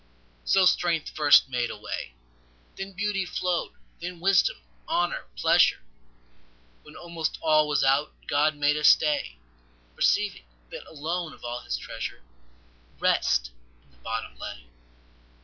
So strength first made a way, Then beauty flow'd, then wisdom, honour, pleasure; When almost all was out, God made a stay, Perceiving that, alone of all His treasure, Rest in the bottom lay.